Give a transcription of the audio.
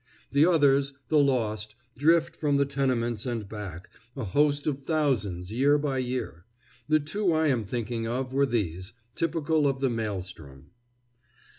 The others, the lost, drift from the tenements and back, a host of thousands year by year. The two I am thinking of were of these, typical of the maelstrom.